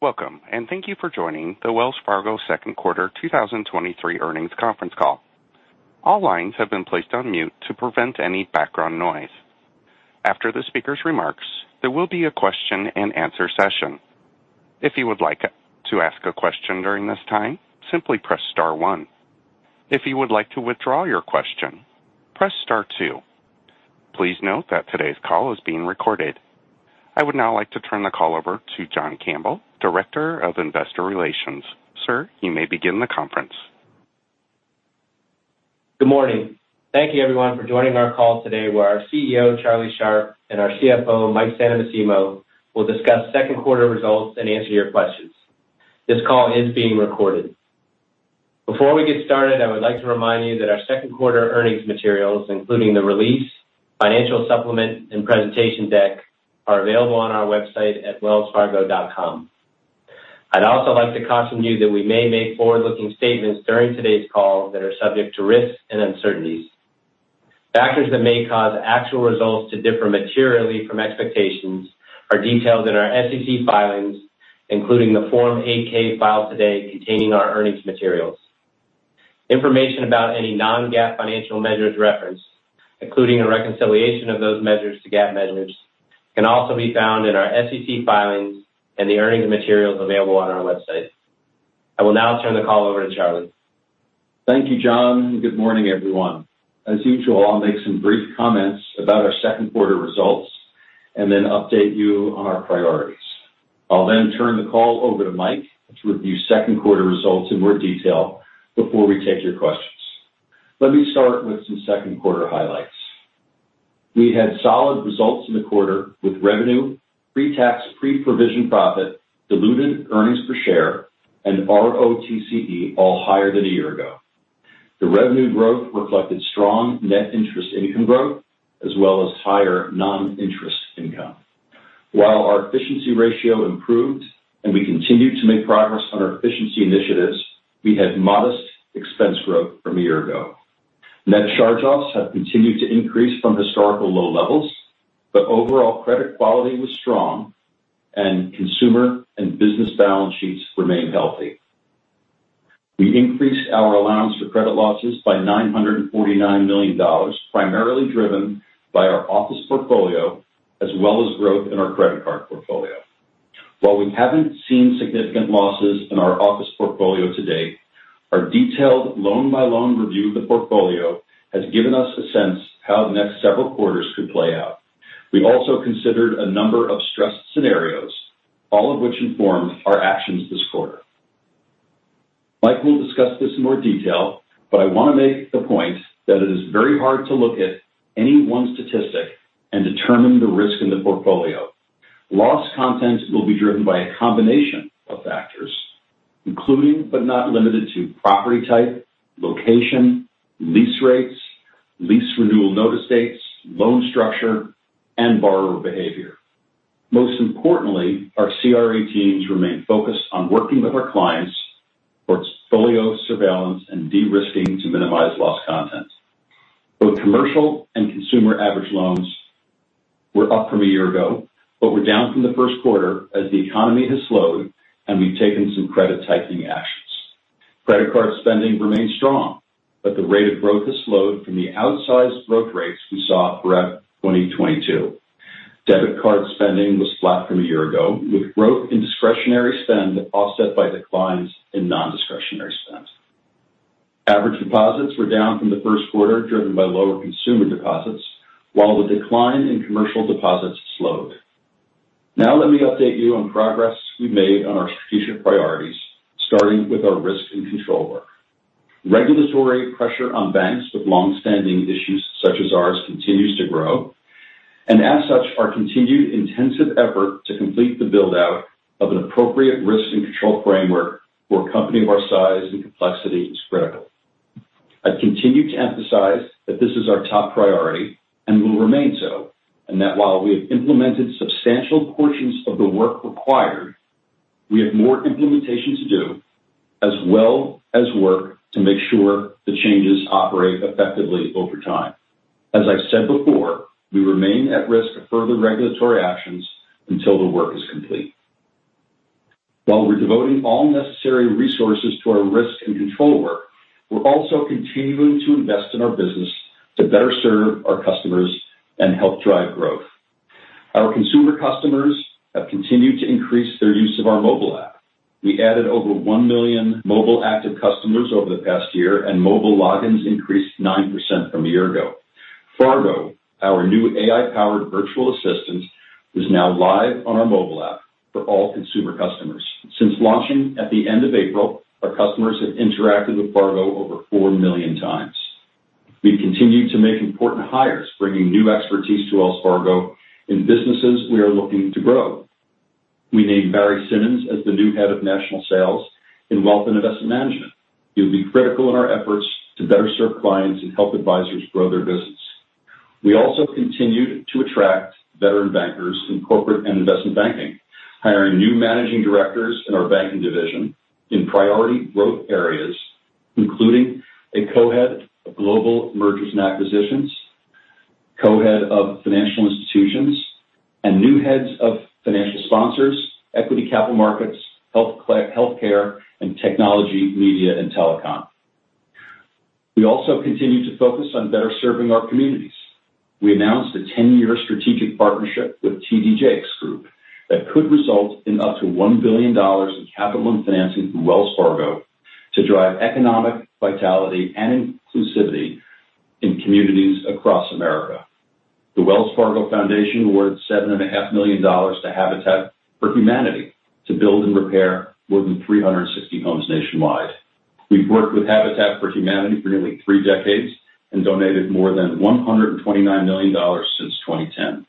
Welcome, thank you for joining the Wells Fargo second quarter 2023 earnings conference call. All lines have been placed on mute to prevent any background noise. After the speaker's remarks, there will be a question-and-answer session. If you would like to ask a question during this time, simply press star one. If you would like to withdraw your question, press star two. Please note that today's call is being recorded. I would now like to turn the call over to John Campbell, Director of Investor Relations. Sir, you may begin the conference. Good morning. Thank you, everyone, for joining our call today, where our CEO, Charlie Scharf, and our CFO, Mike Santomassimo, will discuss second quarter results and answer your questions. This call is being recorded. Before we get started, I would like to remind you that our second quarter earnings materials, including the release, financial supplement, and presentation deck, are available on our website at wellsfargo.com. I'd also like to caution you that we may make forward-looking statements during today's call that are subject to risks and uncertainties. Factors that may cause actual results to differ materially from expectations are detailed in our SEC filings, including the Form 8-K filed today containing our earnings materials. Information about any non-GAAP financial measures referenced, including a reconciliation of those measures to GAAP measures, can also be found in our SEC filings and the earnings and materials available on our website. I will now turn the call over to Charlie. Thank you, John. Good morning, everyone. As usual, I'll make some brief comments about our second quarter results. Update you on our priorities. I'll turn the call over to Mike to review second quarter results in more detail before we take your questions. Let me start with some second quarter highlights. We had solid results in the quarter with revenue, pre-tax, pre-provision profit, diluted earnings per share, and ROTCE, all higher than a year ago. The revenue growth reflected strong Net Interest Income growth, as well as higher non-interest income. While our efficiency ratio improved and we continued to make progress on our efficiency initiatives, we had modest expense growth from a year ago. Net charge-offs have continued to increase from historical low levels. Overall credit quality was strong. Consumer and business balance sheets remain healthy. We increased our allowance for credit losses by $949 million, primarily driven by our office portfolio, as well as growth in our credit card portfolio. While we haven't seen significant losses in our office portfolio to date, our detailed loan-by-loan review of the portfolio has given us a sense how the next several quarters could play out. Mike will discuss this in more detail, but I want to make the point that it is very hard to look at any one statistic and determine the risk in the portfolio. Loss content will be driven by a combination of factors, including, but not limited to, property type, location, lease rates, lease renewal notice dates, loan structure, and borrower behavior. Most importantly, our CRE teams remain focused on working with our clients for portfolio surveillance and de-risking to minimize loss content. Both commercial and consumer average loans were up from a year ago, but were down from the first quarter as the economy has slowed and we've taken some credit-tightening actions. Credit card spending remains strong, but the rate of growth has slowed from the outsized growth rates we saw throughout 2022. Debit card spending was flat from a year ago, with growth in discretionary spend offset by declines in nondiscretionary spend. Average deposits were down from the first quarter, driven by lower consumer deposits, while the decline in commercial deposits slowed. Now let me update you on progress we've made on our strategic priorities, starting with our risk and control work. Regulatory pressure on banks with long-standing issues, such as ours, continues to grow, and as such, our continued intensive effort to complete the build-out of an appropriate risk and control framework for a company of our size and complexity is critical. I continue to emphasize that this is our top priority and will remain so, and that while we have implemented substantial portions of the work required, we have more implementation to do, as well as work to make sure the changes operate effectively over time. As I've said before, we remain at risk of further regulatory actions until the work is complete. While we're devoting all necessary resources to our risk and control work, we're also continuing to invest in our business to better serve our customers and help drive growth. Our consumer customers have continued to increase their use of our mobile app. We added over 1 million mobile active customers over the past year. Mobile logins increased 9% from a year ago. Fargo, our new AI-powered virtual assistant, is now live on our mobile app for all consumer customers. Since launching at the end of April, our customers have interacted with Fargo over 4 million times. We've continued to make important hires, bringing new expertise to Wells Fargo in businesses we are looking to grow. We named Barry Simmons as the new head of national sales in Wealth and Investment Management. He'll be critical in our efforts to better serve clients and help advisors grow their business. We also continued to attract veteran bankers in corporate and investment banking, hiring new managing directors in our banking division in priority growth areas, including a co-head of global mergers and acquisitions.... Co-head of Financial Institutions, and new heads of Financial Sponsors, Equity Capital Markets, Healthcare, and Technology, Media, and Telecom. We also continue to focus on better serving our communities. We announced a 10-year strategic partnership with T.D. Jakes Group that could result in up to $1 billion in capital and financing through Wells Fargo to drive economic vitality and inclusivity in communities across America. The Wells Fargo Foundation awarded seven and a half million dollars to Habitat for Humanity to build and repair more than 360 homes nationwide. We've worked with Habitat for Humanity for nearly three decades and donated more than $129 million since 2010.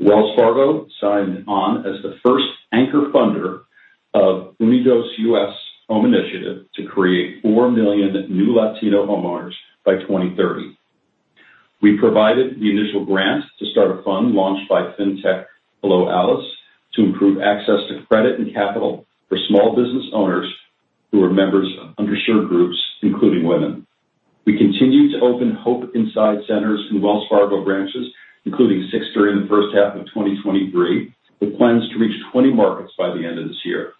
Wells Fargo signed on as the first anchor funder of UnidosUS Home Initiative to create 4 million new Latino homeowners by 2030. We provided the initial grant to start a fund launched by Fintech Hello Alice, to improve access to credit and capital for small business owners who are members of underserved groups, including women. We continue to open HOPE Inside centers in Wells Fargo branches, including six during the first half of 2023, with plans to reach 20 markets by the end of this year.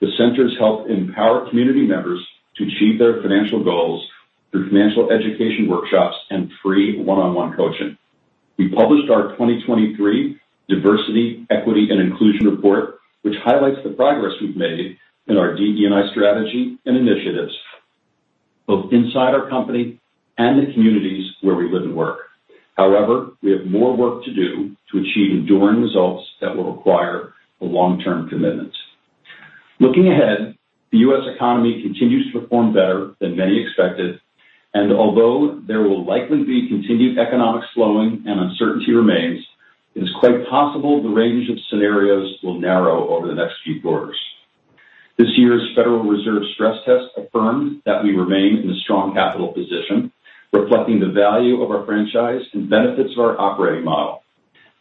The centers help empower community members to achieve their financial goals through financial education workshops and free one-on-one coaching. We published our 2023 Diversity, Equity, and Inclusion Report, which highlights the progress we've made in our DE&I strategy and initiatives, both inside our company and the communities where we live and work. However, we have more work to do to achieve enduring results that will require a long-term commitment. Looking ahead, the U.S. economy continues to perform better than many expected, and although there will likely be continued economic slowing and uncertainty remains, it is quite possible the range of scenarios will narrow over the next few quarters. This year's Federal Reserve stress test affirmed that we remain in a strong capital position, reflecting the value of our franchise and benefits of our operating model.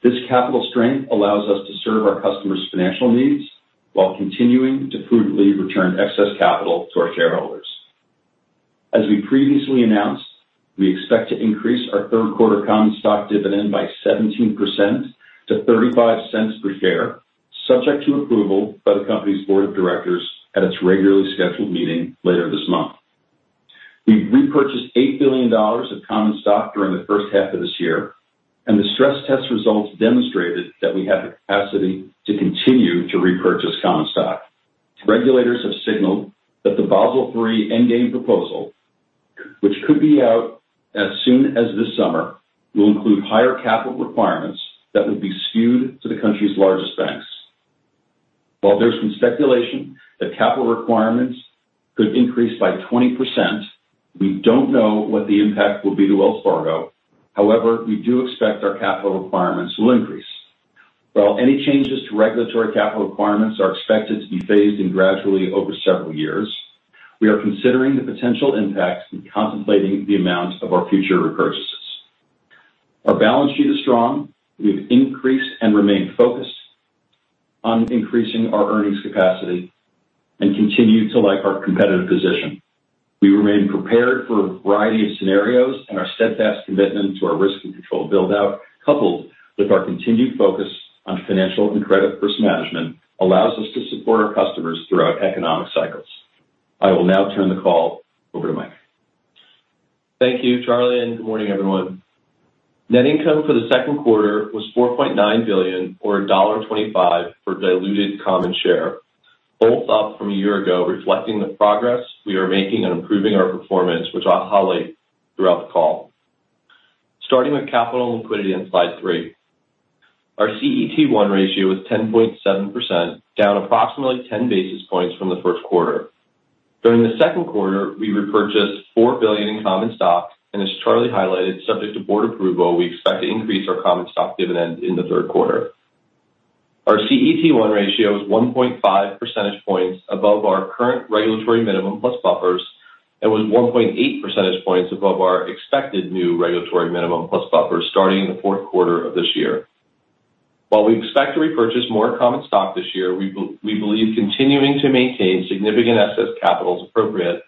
This capital strength allows us to serve our customers' financial needs while continuing to prudently return excess capital to our shareholders. As we previously announced, we expect to increase our third quarter common stock dividend by 17% to $0.35 per share, subject to approval by the company's board of directors at its regularly scheduled meeting later this month. We've repurchased $8 billion of common stock during the first half of this year. The stress test results demonstrated that we have the capacity to continue to repurchase common stock. Regulators have signaled that the Basel III endgame proposal, which could be out as soon as this summer, will include higher capital requirements that would be skewed to the country's largest banks. While there's some speculation that capital requirements could increase by 20%, we don't know what the impact will be to Wells Fargo. However, we do expect our capital requirements will increase. While any changes to regulatory capital requirements are expected to be phased in gradually over several years, we are considering the potential impacts and contemplating the amount of our future repurchases. Our balance sheet is strong. We've increased and remained focused on increasing our earnings capacity and continue to like our competitive position. We remain prepared for a variety of scenarios, and our steadfast commitment to our risk and control build-out, coupled with our continued focus on financial and credit risk management, allows us to support our customers throughout economic cycles. I will now turn the call over to Mike. Thank you, Charlie. Good morning, everyone. Net income for the second quarter was $4.9 billion or $1.25 per diluted common share, both up from a year ago, reflecting the progress we are making in improving our performance, which I'll highlight throughout the call. Starting with capital and liquidity on slide three, our CET1 ratio was 10.7%, down approximately 10 basis points from the first quarter. During the second quarter, we repurchased $4 billion in common stock, and as Charlie highlighted, subject to board approval, we expect to increase our common stock dividend in the third quarter. Our CET1 ratio is 1.5 percentage points above our current regulatory minimum, plus buffers, and was 1.8 percentage points above our expected new regulatory minimum, plus buffers starting in the fourth quarter of this year. While we expect to repurchase more common stock this year, we believe continuing to maintain significant excess capital is appropriate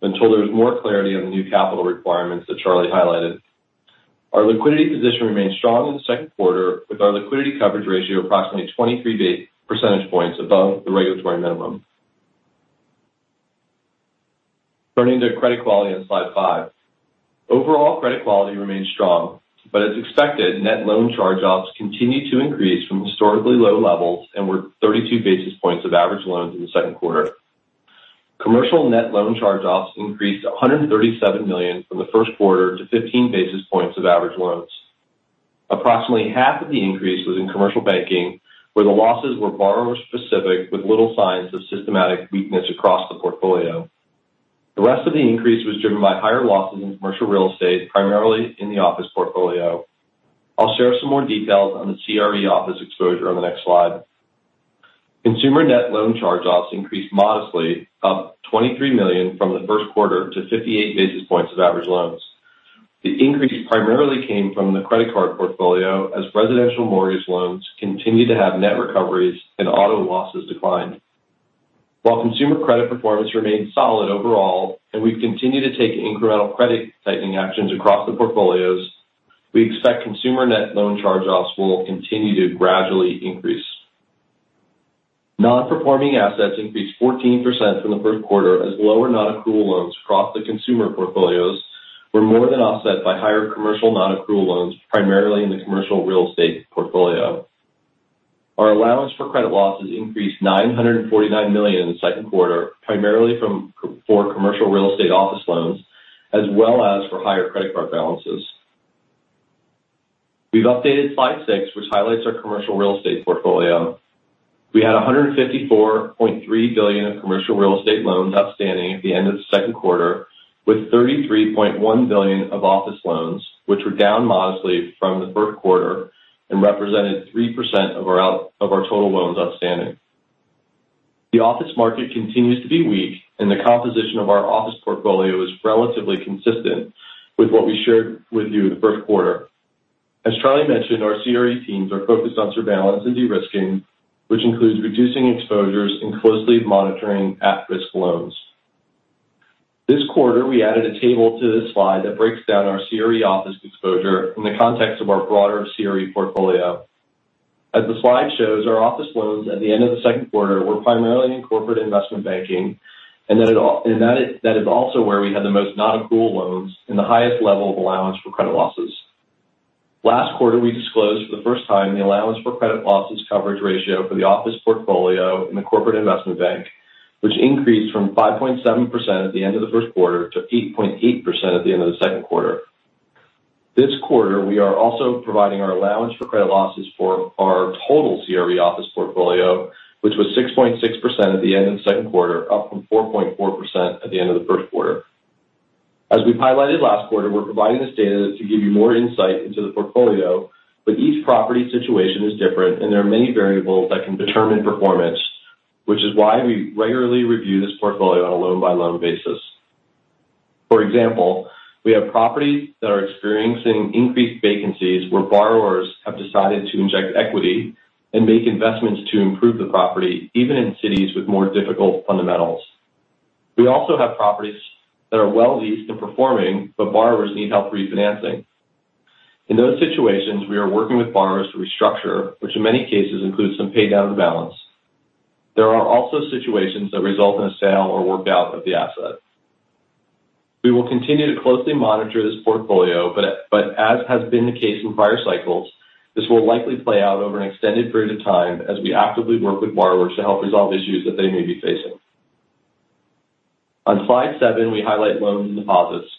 until there is more clarity on the new capital requirements that Charlie highlighted. Our liquidity position remained strong in the 2nd quarter, with our liquidity coverage ratio approximately 23 percentage points above the regulatory minimum. Turning to credit quality on slide five. Overall, credit quality remains strong, as expected, net loan charge-offs continued to increase from historically low levels and were 32 basis points of average loans in the 2nd quarter. Commercial net loan charge-offs increased $137 million from the 1st quarter to 15 basis points of average loans. Approximately half of the increase was in commercial banking, where the losses were borrower-specific, with little signs of systematic weakness across the portfolio. The rest of the increase was driven by higher losses in commercial real estate, primarily in the office portfolio. I'll share some more details on the CRE office exposure on the next slide. Consumer net loan charge-offs increased modestly, up $23 million from the first quarter to 58 basis points of average loans. The increase primarily came from the credit card portfolio, as residential mortgage loans continued to have net recoveries and auto losses declined. While consumer credit performance remains solid overall, we've continued to take incremental credit tightening actions across the portfolios, we expect consumer net loan charge-offs will continue to gradually increase. Non-performing assets increased 14% from the first quarter, as lower nonaccrual loans across the consumer portfolios were more than offset by higher commercial nonaccrual loans, primarily in the commercial real estate portfolio. Our allowance for credit losses increased $949 million in the second quarter, primarily for Commercial Real Estate office loans, as well as for higher credit card balances. We've updated slide six, which highlights our Commercial Real Estate portfolio. We had $154.3 billion in Commercial Real Estate loans outstanding at the end of the second quarter, with $33.1 billion of office loans, which were down modestly from the first quarter and represented 3% of our total loans outstanding. The office market continues to be weak. The composition of our office portfolio is relatively consistent with what we shared with you in the first quarter. As Charlie mentioned, our CRE teams are focused on surveillance and de-risking, which includes reducing exposures and closely monitoring at-risk loans. This quarter, we added a table to this slide that breaks down our CRE office exposure in the context of our broader CRE portfolio. As the slide shows, our office loans at the end of the second quarter were primarily in Corporate Investment Banking, and that is also where we had the most nonaccrual loans and the highest level of allowance for credit losses. Last quarter, we disclosed for the first time the allowance for credit losses coverage ratio for the office portfolio in the Corporate Investment Bank, which increased from 5.7% at the end of the first quarter to 8.8% at the end of the second quarter. This quarter, we are also providing our allowance for credit losses for our total CRE office portfolio, which was 6.6% at the end of the second quarter, up from 4.4% at the end of the first quarter. As we highlighted last quarter, we're providing this data to give you more insight into the portfolio, but each property situation is different, and there are many variables that can determine performance, which is why we regularly review this portfolio on a loan-by-loan basis. For example, we have properties that are experiencing increased vacancies, where borrowers have decided to inject equity and make investments to improve the property, even in cities with more difficult fundamentals. We also have properties that are well leased and performing, but borrowers need help refinancing. In those situations, we are working with borrowers to restructure, which in many cases includes some pay down of the balance. There are also situations that result in a sale or work out of the asset. We will continue to closely monitor this portfolio, but as has been the case in prior cycles, this will likely play out over an extended period of time as we actively work with borrowers to help resolve issues that they may be facing. On slide seven, we highlight loans and deposits.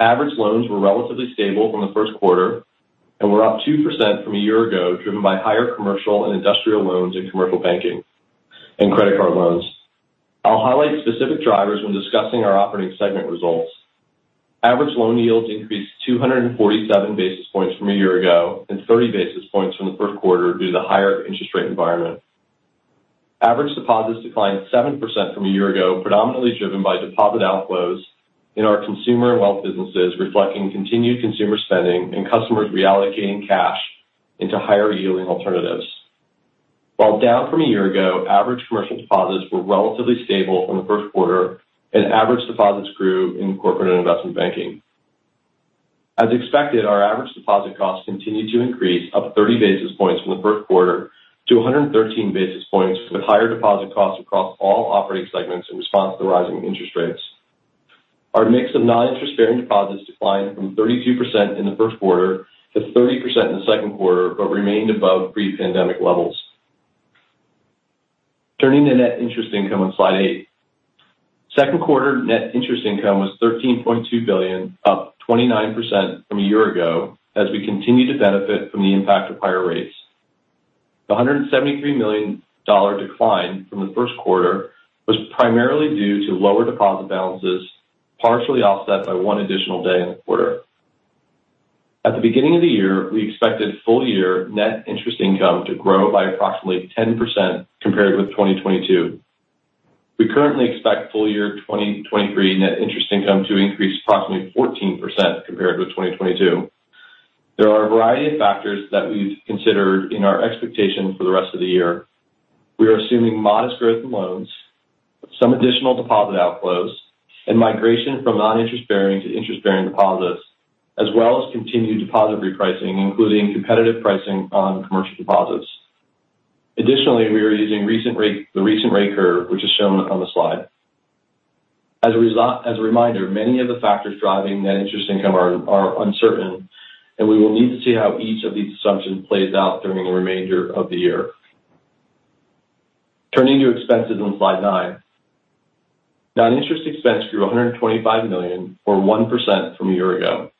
Average loans were relatively stable from the first quarter and were up 2% from a year-ago, driven by higher commercial and industrial loans in commercial banking and credit card loans. I'll highlight specific drivers when discussing our operating segment results. Average loan yields increased 247 basis points from a year ago and 30 basis points from the first quarter due to the higher interest rate environment. Average deposits declined 7% from a year ago, predominantly driven by deposit outflows in our consumer and wealth businesses, reflecting continued consumer spending and customers reallocating cash into higher-yielding alternatives. While down from a year ago, average commercial deposits were relatively stable from the first quarter, and average deposits grew in corporate and investment banking. As expected, our average deposit costs continued to increase, up 30 basis points from the first quarter to 113 basis points, with higher deposit costs across all operating segments in response to the rising interest rates. Our mix of non-interest-bearing deposits declined from 32% in the first quarter to 30% in the second quarter, but remained above pre-pandemic levels. Turning to net interest income on slide eight. Second quarter net interest income was $13.2 billion, up 29% from a year ago, as we continue to benefit from the impact of higher rates. The $173 million decline from the first quarter was primarily due to lower deposit balances, partially offset by one additional day in the quarter. At the beginning of the year, we expected full year net interest income to grow by approximately 10% compared with 2022. We currently expect full year 2023 net interest income to increase approximately 14% compared with 2022. There are a variety of factors that we've considered in our expectation for the rest of the year. We are assuming modest growth in loans, some additional deposit outflows, and migration from non-interest bearing to interest-bearing deposits, as well as continued deposit repricing, including competitive pricing on commercial deposits. Additionally, we are using the recent rate curve, which is shown on the slide. As a reminder, many of the factors driving net interest income are uncertain, and we will need to see how each of these assumptions plays out during the remainder of the year. Turning to expenses on slide nine. Non-interest expense grew $125 million, or 1% from a year ago.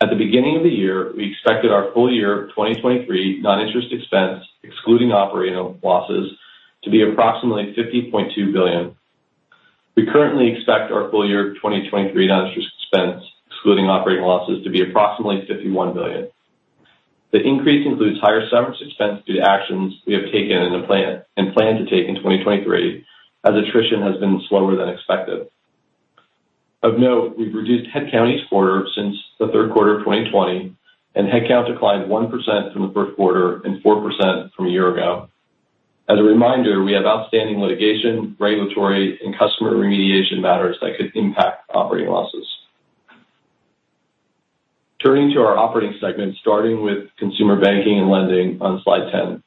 At the beginning of the year, we expected our full year 2023 non-interest expense, excluding operating losses, to be approximately $50.2 billion. We currently expect our full year 2023 non-interest expense, excluding operating losses, to be approximately $51 billion. The increase includes higher severance expense due to actions we have taken and plan to take in 2023, as attrition has been slower than expected. Of note, we've reduced headcount each quarter since the third quarter of 2020, and headcount declined 1% from the first quarter and 4% from a year ago. As a reminder, we have outstanding litigation, regulatory, and customer remediation matters that could impact operating losses. Turning to our operating segment, starting with consumer banking and lending on slide 10.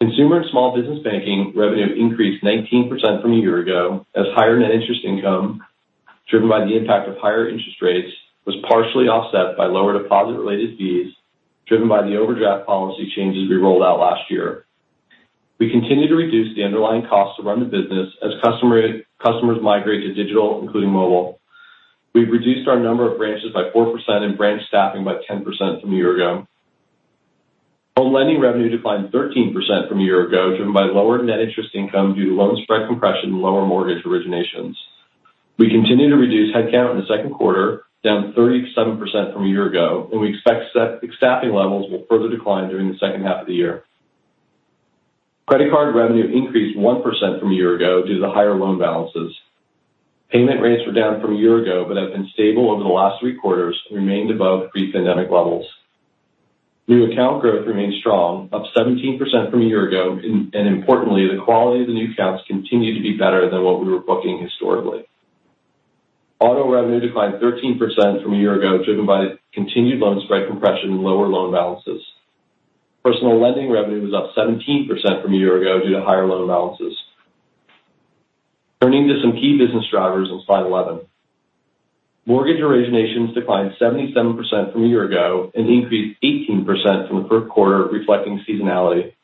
Consumer and small business banking revenue increased 19% from a year ago, as higher Net Interest Income, driven by the impact of higher interest rates, was partially offset by lower deposit-related fees, driven by the overdraft policy changes we rolled out last year. We continue to reduce the underlying cost to run the business as customers migrate to digital, including mobile. We've reduced our number of branches by 4% and branch staffing by 10% from a year ago. Home lending revenue declined 13% from a year ago, driven by lower net interest income due to loan spread compression and lower mortgage originations. We continue to reduce headcount in the second quarter, down 37% from a year ago, and we expect staffing levels will further decline during the second half of the year. Credit card revenue increased 1% from a year ago due to higher loan balances. Payment rates were down from a year ago, but have been stable over the last three quarters and remained above pre-pandemic levels. New account growth remains strong, up 17% from a year ago, and importantly, the quality of the new accounts continued to be better than what we were booking historically. Auto revenue declined 13% from a year ago, driven by continued loan spread compression and lower loan balances. Personal lending revenue was up 17% from a year ago due to higher loan balances. Turning to some key business drivers on slide 11. Mortgage originations declined 77% from a year ago and increased 18% from the first quarter, reflecting seasonality.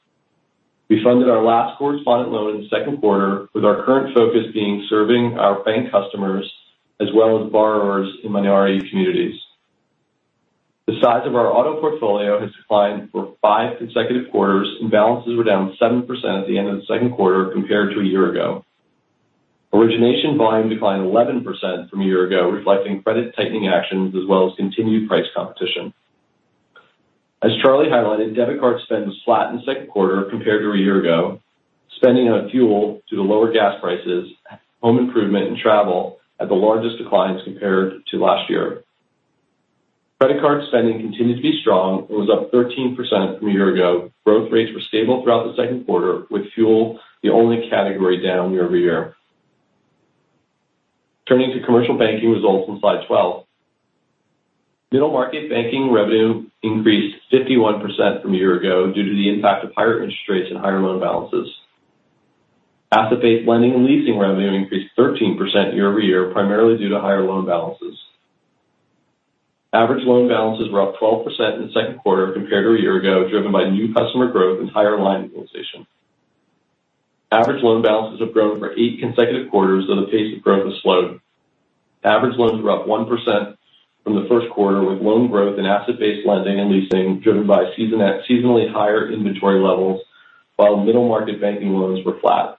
We funded our last correspondent loan in the second quarter, with our current focus being serving our bank customers as well as borrowers in minority communities. The size of our auto portfolio has declined for five consecutive quarters, and balances were down 7% at the end of the second quarter compared to a year ago. Origination volume declined 11% from a year ago, reflecting credit tightening actions as well as continued price competition. As Charlie highlighted, debit card spend was flat in the second quarter compared to a year ago, spending on fuel due to lower gas prices, home improvement and travel had the largest declines compared to last year. Credit card spending continued to be strong and was up 13% from a year ago. Growth rates were stable throughout the second quarter, with fuel the only category down year-over-year. Turning to commercial banking results on slide 12. Middle Market banking revenue increased 51% from a year ago due to the impact of higher interest rates and higher loan balances. Asset-based lending and leasing revenue increased 13% year-over-year, primarily due to higher loan balances. Average loan balances were up 12% in the second quarter compared to a year ago, driven by new customer growth and higher line utilization. Average loan balances have grown for eight consecutive quarters, though the pace of growth has slowed. Average loans were up 1% from the first quarter, with loan growth and asset-based lending and leasing driven by seasonally higher inventory levels, while middle market banking loans were flat.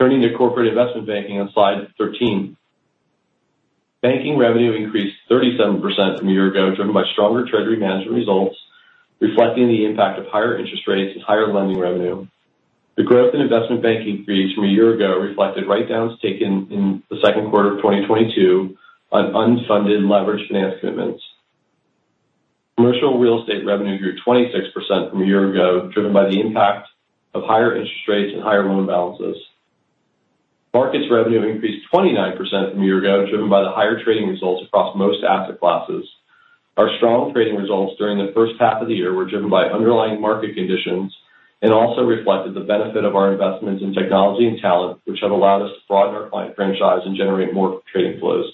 Turning to Corporate Investment Banking on slide 13. Banking revenue increased 37% from a year ago, driven by stronger treasury management results, reflecting the impact of higher interest rates and higher lending revenue. The growth in investment banking fees from a year ago reflected write-downs taken in the second quarter of 2022 on unfunded leveraged finance commitments. Commercial real estate revenue grew 26% from a year ago, driven by the impact of higher interest rates and higher loan balances. Markets revenue increased 29% from a year ago, driven by the higher trading results across most asset classes. Our strong trading results during the first half of the year were driven by underlying market conditions and also reflected the benefit of our investments in technology and talent, which have allowed us to broaden our client franchise and generate more trading flows.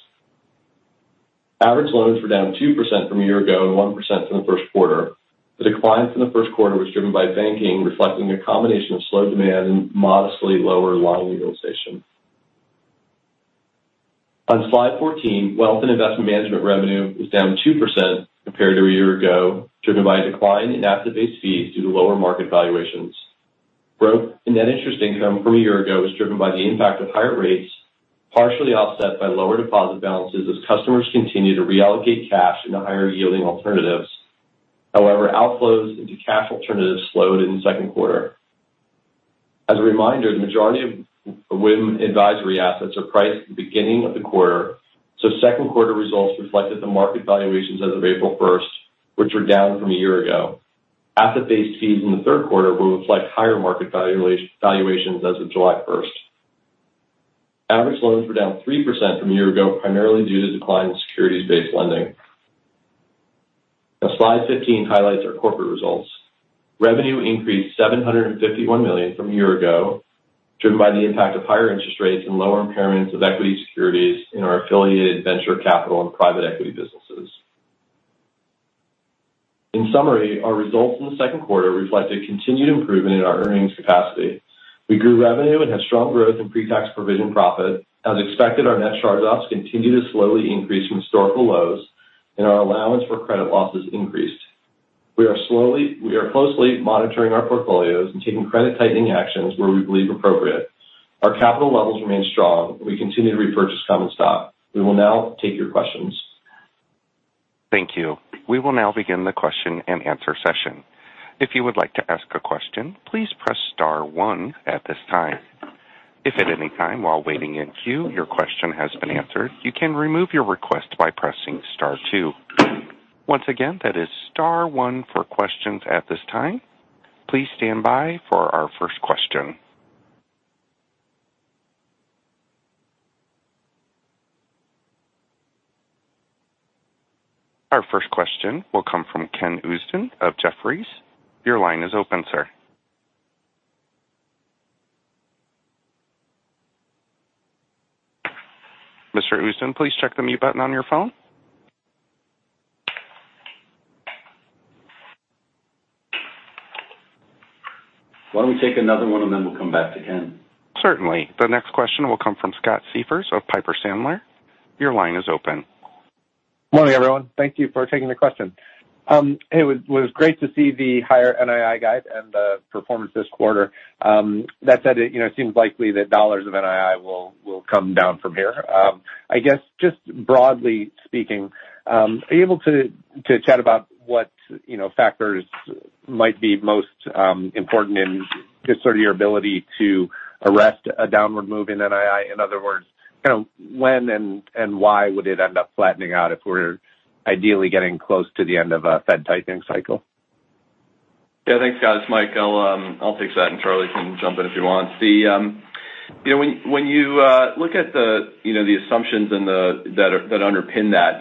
Average loans were down 2% from a year ago and 1% from the first quarter. The decline from the first quarter was driven by banking, reflecting a combination of slow demand and modestly lower loan utilization. On slide 14, Wealth and Investment Management revenue was down 2% compared to a year-ago, driven by a decline in asset-based fees due to lower market valuations. Growth in Net Interest Income from a year-ago was driven by the impact of higher rates, partially offset by lower deposit balances as customers continued to reallocate cash into higher-yielding alternatives. Outflows into cash alternatives slowed in the second quarter. As a reminder, the majority of WIM advisory assets are priced at the beginning of the quarter, so second quarter results reflected the market valuations as of April 1st, which were down from a year-ago. Asset-based fees in the third quarter will reflect higher market valuations as of July 1st. Average loans were down 3% from a year-ago, primarily due to decline in securities-based lending. Slide 15 highlights our corporate results. Revenue increased $751 million from a year ago, driven by the impact of higher interest rates and lower impairments of equity securities in our affiliated venture capital and private equity businesses. In summary, our results in the second quarter reflected continued improvement in our earnings capacity. We grew revenue and had strong growth in pre-tax provision profit. As expected, our net charge-offs continued to slowly increase from historical lows, and our allowance for credit losses increased. We are closely monitoring our portfolios and taking credit tightening actions where we believe appropriate. Our capital levels remain strong, and we continue to repurchase common stock. We will now take your questions. Thank you. We will now begin the question-and-answer session. If you would like to ask a question, please press star one at this time. If at any time while waiting in queue, your question has been answered, you can remove your request by pressing star two. Once again, that is star one for questions at this time. Please stand by for our first question. Our first question will come from Ken Usdin of Jefferies. Your line is open, sir. Mr. Usdin, please check the mute button on your phone. Why don't we take another one and then we'll come back to Ken? Certainly. The next question will come from Scott Siefers of Piper Sandler. Your line is open. Morning, everyone. Thank you for taking the question. It was great to see the higher NII guide and the performance this quarter. That said, it, you know, seems likely that dollars of NII will come down from here. I guess, just broadly speaking, are you able to chat about what, you know, factors might be most important in just sort of your ability to arrest a downward move in NII? In other words, kind of when and why would it end up flattening out if we're ideally getting close to the end of a Fed tightening cycle? Yeah, thanks, Scott. It's Mike. I'll take that, and Charlie can jump in if you want. You know, when you look at the, you know, the assumptions that underpin that,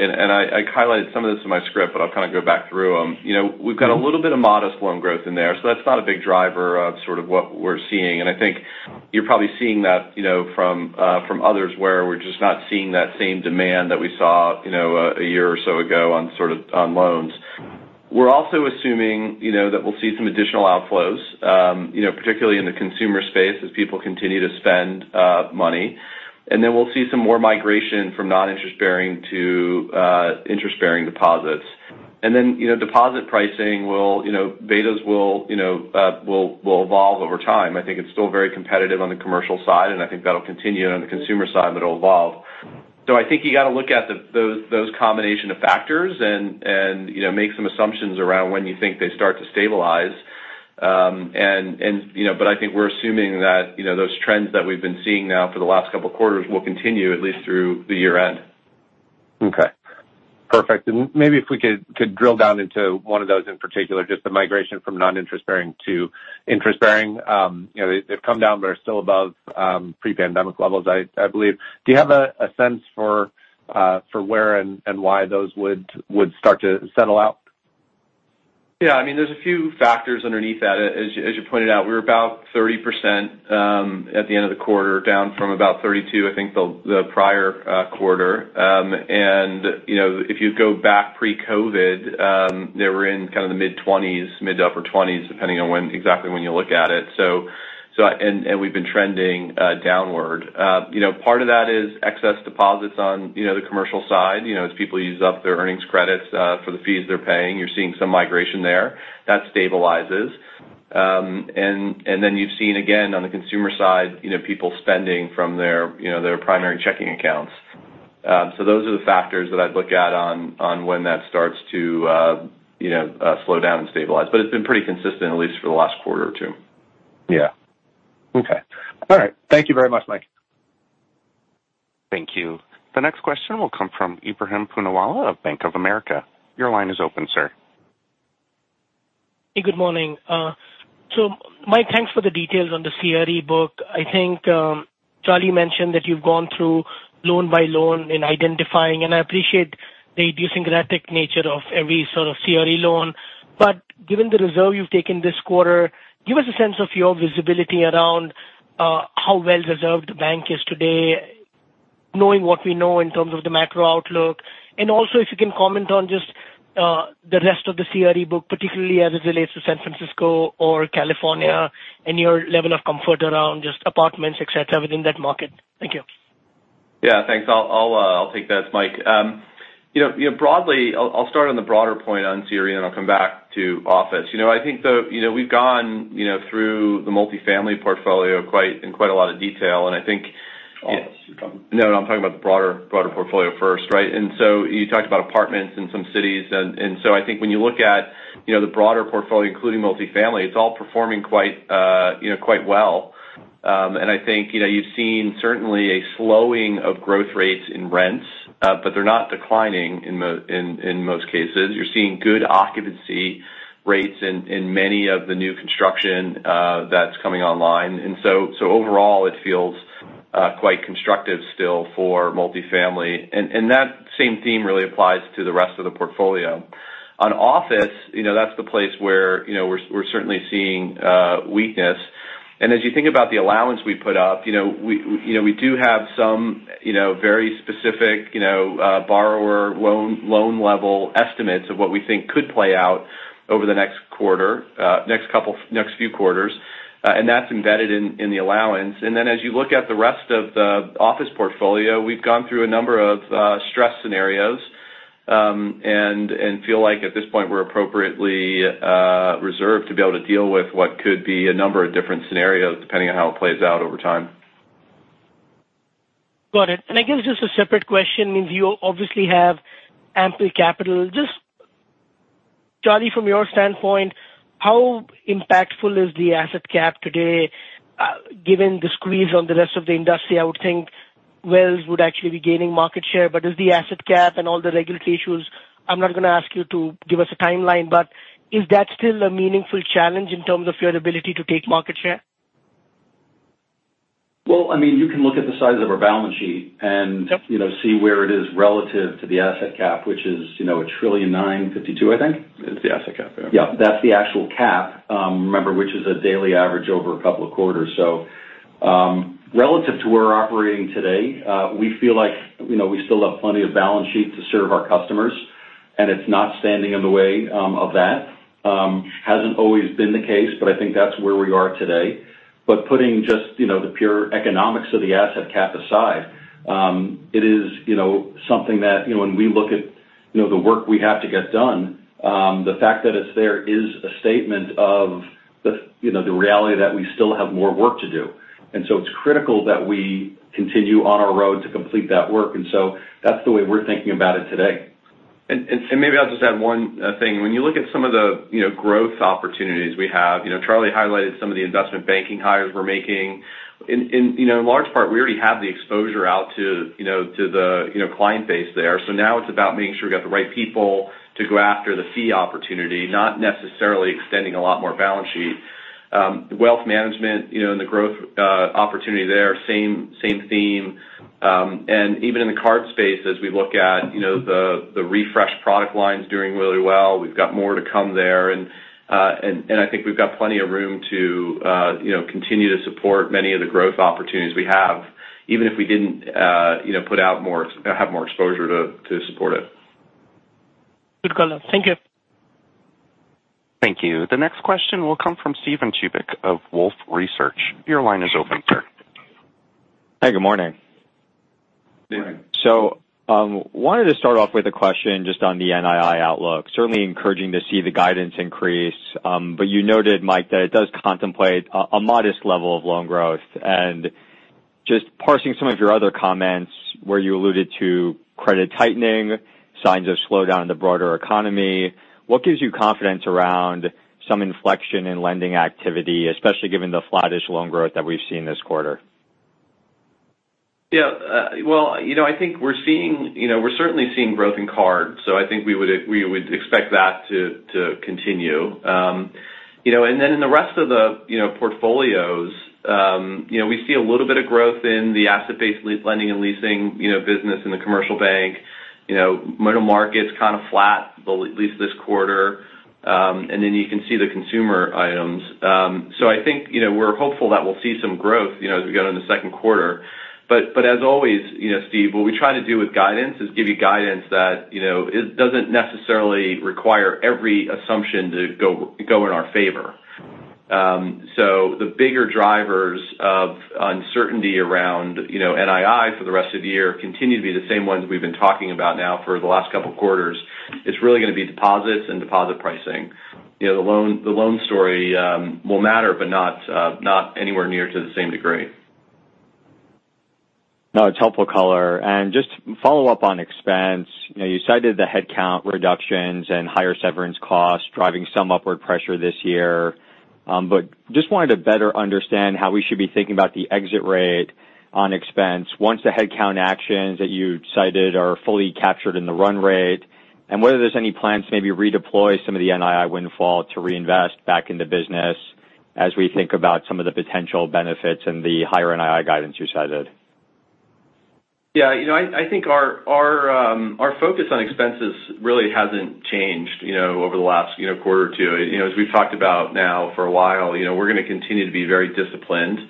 I highlighted some of this in my script, but I'll kind of go back through them. You know, we've got a little bit of modest loan growth in there. That's not a big driver of sort of what we're seeing. I think you're probably seeing that, you know, from others where we're just not seeing that same demand that we saw, you know, a year or so ago on sort of on loans. We're also assuming, you know, that we'll see some additional outflows, you know, particularly in the consumer space, as people continue to spend money. We'll see some more migration from non-interest bearing to interest bearing deposits. You know, deposit pricing will, you know, betas will, you know, will evolve over time. I think it's still very competitive on the commercial side, and I think that'll continue on the consumer side, but it'll evolve. I think you got to look at those combination of factors and, you know, make some assumptions around when you think they start to stabilize. You know, but I think we're assuming that, you know, those trends that we've been seeing now for the last couple of quarters will continue at least through the year end. Okay, perfect. Maybe if we could drill down into one of those, in particular, just the migration from non-interest bearing to interest bearing. You know, they've come down, but are still above pre-pandemic levels, I believe. Do you have a sense for where and why those would start to settle out? Yeah, I mean, there's a few factors underneath that. As you pointed out, we were about 30%, at the end of the quarter, down from about 32, I think, the prior quarter. You know, if you go back pre-COVID, they were in kind of the mid-20s, mid to upper 20s, depending on when exactly when you look at it. We've been trending downward. You know, part of that is excess deposits on, you know, the commercial side. You know, as people use up their earnings credits, for the fees they're paying, you're seeing some migration there. That stabilizes. You've seen, again, on the consumer side, you know, people spending from their, you know, their primary checking accounts. Those are the factors that I'd look at on when that starts to, you know, slow down and stabilize. It's been pretty consistent, at least for the last quarter or two. Yeah. Okay. All right. Thank you very much, Mike. Thank you. The next question will come from Ebrahim Poonawala of Bank of America. Your line is open, sir. Hey, good morning. Mike, thanks for the details on the CRE book. I think Charlie mentioned that you've gone through loan by loan in identifying, I appreciate the idiosyncratic nature of every sort of CRE loan. Given the reserve you've taken this quarter, give us a sense of your visibility around how well reserved the bank is today, knowing what we know in terms of the macro outlook. Also, if you can comment on just the rest of the CRE book, particularly as it relates to San Francisco or California, and your level of comfort around just apartments, et cetera, within that market. Thank you. Yeah, thanks. I'll take that. It's Mike. You know, broadly, I'll start on the broader point on CRE, and I'll come back to office. You know, we've gone through the multifamily portfolio in quite a lot of detail. Office, you're talking? No, I'm talking about the broader portfolio first, right? You talked about apartments in some cities, and so I think when you look at, you know, the broader portfolio, including multifamily, it's all performing quite, you know, quite well. I think, you know, you've seen certainly a slowing of growth rates in rents, but they're not declining in most cases. You're seeing good occupancy rates in many of the new construction that's coming online. So overall, it feels quite constructive still for multifamily. That same theme really applies to the rest of the portfolio. On office, you know, that's the place where, you know, we're certainly seeing weakness. As you think about the allowance we put up, you know, we, you know, we do have some, you know, very specific, you know, borrower loan level estimates of what we think could play out over the next quarter, next few quarters, and that's embedded in the allowance. Then as you look at the rest of the office portfolio, we've gone through a number of stress scenarios, and feel like at this point, we're appropriately reserved to be able to deal with what could be a number of different scenarios, depending on how it plays out over time. Got it. I guess just a separate question, you obviously have ample capital. Just, Charlie, from your standpoint, how impactful is the asset cap today, given the squeeze on the rest of the industry? I would think Wells would actually be gaining market share, but is the asset cap and all the regulatory issues, I'm not going to ask you to give us a timeline, but is that still a meaningful challenge in terms of your ability to take market share? Well, I mean, you can look at the size of our balance sheet. Yep. You know, see where it is relative to the asset cap, which is, you know, $1 trillion 952, I think? It's the asset cap, yeah. Yeah, that's the actual cap, remember, which is a daily average over a couple of quarters. Relative to where we're operating today, we feel like, you know, we still have plenty of balance sheet to serve our customers, and it's not standing in the way of that. Hasn't always been the case, but I think that's where we are today. Putting just, you know, the pure economics of the asset cap aside, it is, you know, something that, you know, when we look at, you know, the work we have to get done, the fact that it's there is a statement of the, you know, the reality that we still have more work to do. It's critical that we continue on our road to complete that work, and so that's the way we're thinking about it today. Maybe I'll just add one thing. When you look at some of the, you know, growth opportunities we have, you know, Charlie highlighted some of the investment banking hires we're making. In, you know, in large part, we already have the exposure out to, you know, to the, you know, client base there. Now it's about making sure we got the right people to go after the fee opportunity, not necessarily extending a lot more balance sheet. Wealth management, you know, and the growth opportunity there, same theme. Even in the card space, as we look at, you know, the refresh product line's doing really well. We've got more to come there. I think we've got plenty of room to, you know, continue to support many of the growth opportunities we have, even if we didn't, you know, have more exposure to support it. Good color. Thank you. Thank you. The next question will come from Steven Chubak of Wolfe Research. Your line is open, sir. Hey, good morning. Good morning. Wanted to start off with a question just on the NII outlook. Certainly encouraging to see the guidance increase, but you noted, Mike, that it does contemplate a modest level of loan growth. Just parsing some of your other comments where you alluded to credit tightening, signs of slowdown in the broader economy, what gives you confidence around some inflection in lending activity, especially given the flattish loan growth that we've seen this quarter? Yeah, well, you know, I think we're seeing, you know, we're certainly seeing growth in card, so I think we would, we would expect that to continue. You know, then in the rest of the, you know, portfolios, you know, we see a little bit of growth in the asset-based lease lending and leasing, you know, business in the commercial bank. You know, middle market's kind of flat, but at least this quarter. Then you can see the consumer items. I think, you know, we're hopeful that we'll see some growth, you know, as we go into the second quarter. As always, you know, Steve, what we try to do with guidance is give you guidance that, you know, it doesn't necessarily require every assumption to go in our favor. The bigger drivers of uncertainty around, you know, NII for the rest of the year continue to be the same ones we've been talking about now for the last couple of quarters. It's really going to be deposits and deposit pricing. You know, the loan story will matter, but not anywhere near to the same degree. No, it's helpful color. Just to follow up on expense, you know, you cited the headcount reductions and higher severance costs driving some upward pressure this year. Just wanted to better understand how we should be thinking about the exit rate on expense once the headcount actions that you cited are fully captured in the run rate, and whether there's any plans to maybe redeploy some of the NII windfall to reinvest back in the business as we think about some of the potential benefits and the higher NII guidance you cited. Yeah, you know, I think our focus on expenses really hasn't changed, you know, over the last, you know, quarter or two. You know, as we've talked about now for a while, you know, we're going to continue to be very disciplined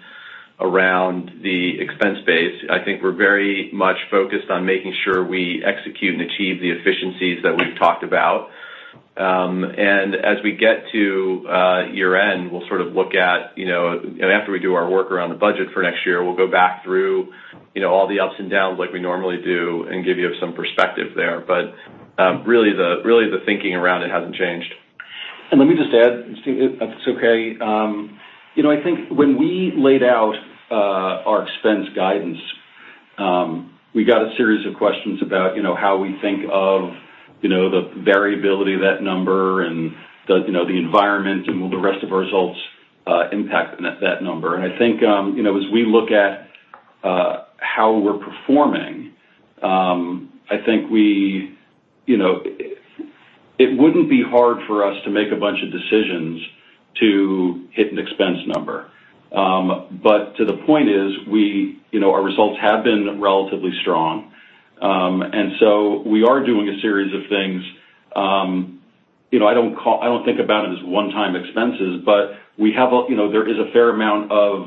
around the expense base. I think we're very much focused on making sure we execute and achieve the efficiencies that we've talked about. As we get to year-end, we'll sort of look at, you know, after we do our work around the budget for next year, we'll go back through, you know, all the ups and downs like we normally do and give you some perspective there. Really the thinking around it hasn't changed. Let me just add, Steven, if it's okay. You know, I think when we laid out, our expense guidance, we got a series of questions about, you know, how we think of, you know, the variability of that number and the, you know, the environment and will the rest of our results, impact that number. I think, you know, as we look at, how we're performing, I think you know, it wouldn't be hard for us to make a bunch of decisions to hit an expense number. To the point is, we, you know, our results have been relatively strong. We are doing a series of things, you know, I don't think about it as one-time expenses, but we have a, you know, there is a fair amount of